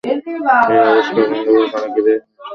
এই অন্ধকার কারাগৃহে, এই নিষ্ঠুর দস্যুদিগের মধ্যে একজন যুবা ছিল।